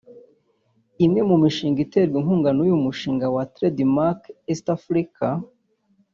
Imwe mu mishinga izaterwa inkunga n’uyu mushinga wa Trade mark East Africa